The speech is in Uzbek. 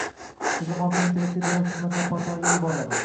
tizim orqali interaktiv davlat xizmatlari portaliga yuboriladi.